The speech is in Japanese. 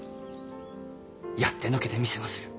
やってのけてみせまする。